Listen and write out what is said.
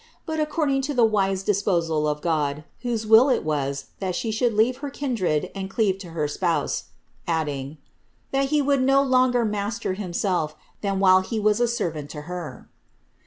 SS imt according to the wise disposal of God, whose will it was that she should leave her kindred and cleave to her spouse ;" adding, ^ that he would be no longer master himself, than while he was a servant to her.